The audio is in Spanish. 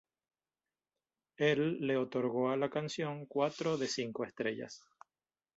Él le otorgó a la canción cuatro de cinco estrellas.